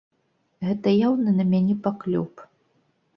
Гэта яўны на мяне паклёп!